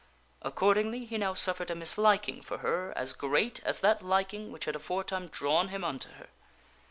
Accordingly, he now suffered a misliking for her as great as that liking which had aforetime drawn him unto her.